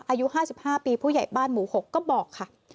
อายุห้าสิบห้าปีผู้ใหญ่บ้านหมู่หกก็บอกค่ะ